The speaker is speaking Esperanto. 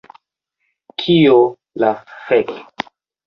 Kio la fek...